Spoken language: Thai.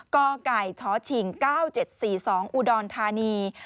ก็ไก่ท้อฉิง๙๗๔๒อูดอนทานี